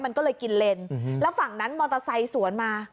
มันก็เลยกินเลนแล้วฝั่งนั้นมอเตอร์ไซค์สวนมา